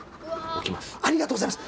置きますありがとうございます！